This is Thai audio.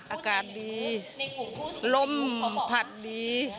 อากาศดีลมผัดดี